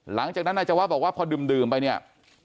หลังจากนั้นนายจวะบอกว่าพอดื่มไปเนี่ย